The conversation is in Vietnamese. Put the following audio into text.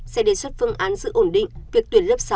sẽ đề xuất phương án giữ ổn định việc tuyển lớp sáu